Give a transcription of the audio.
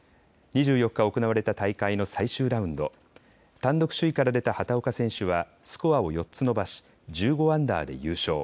２４日、行われた大会の最終ラウンド、単独首位から出た畑岡選手はスコアを４つ伸ばし１５アンダーで優勝。